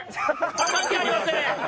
関係ありません。